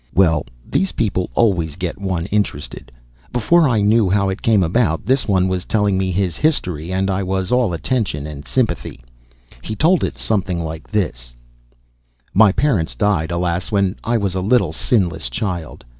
Well, these people always get one interested. Before I well knew how it came about, this one was telling me his history, and I was all attention and sympathy. He told it something like this: My parents died, alas, when I was a little, sinless child.